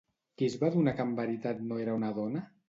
Qui es va adonar que en veritat no era una dona?